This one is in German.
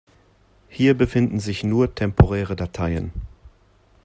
Hier befinden sich nur temporäre Dateien.